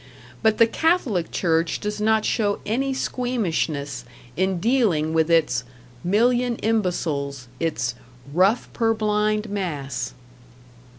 But the Catholic Church does not show any squeamishness in dealing with its "million imbeciles", its "rough, purblind mass".